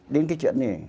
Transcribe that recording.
đến cái chuyện này